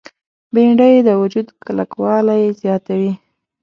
بېنډۍ د وجود کلکوالی زیاتوي